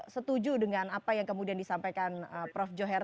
setuju dengan apa yang kemudian disampaikan prof joher